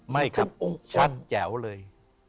ไม่ครับสั้นแจ๋วเลย